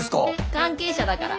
関係者だから。